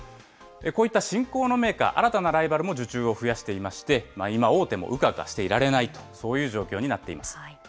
こういった新興のメーカー、新たなライバルも受注を増やしていまして、今、大手もうかうかしていられないと、そういう状況になっています。